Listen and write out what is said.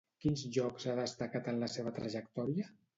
Quins llocs han destacat en la seva trajectòria?